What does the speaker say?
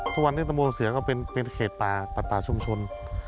ทุกวันนี้ตะโมสื่อก็เป็นเขตปลาปลาชุมชน